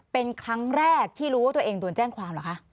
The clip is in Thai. เป็นครั้งแรกที่รู้ว่าตัวเองโดนแจ้งความเหรอคะ